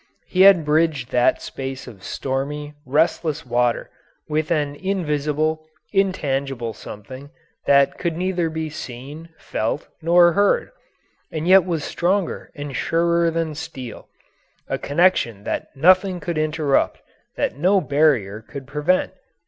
He had bridged that space of stormy, restless water with an invisible, intangible something that could be neither seen, felt, nor heard, and yet was stronger and surer than steel a connection that nothing could interrupt, that no barrier could prevent.